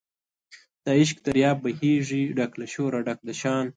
د عشق دریاب بهیږي ډک له شوره ډک د شان